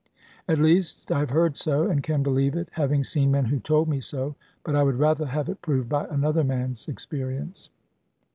At least, I have heard so, and can believe it, having seen men who told me so; but I would rather have it proved by another man's experience.